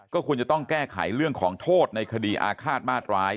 ก็ควรจะต้องแก้ไขเรื่องของโทษในคดีอาฆาตมาตร้าย